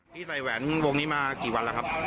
พี่ใส่แหวนวงนี้มากี่วันแล้วครับ